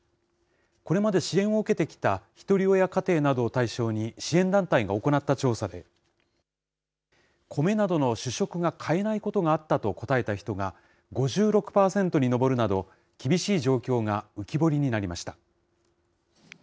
これまで支援を受けてきたひとり親家庭などを対象に支援団体が行った調査で、米などの主食が買えないことがあったと答えた人が５６％に上るなど、厳しい状況が浮き彫りになりました。